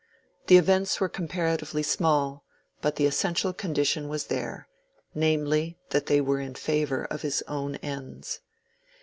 The events were comparatively small, but the essential condition was there—namely, that they were in favor of his own ends.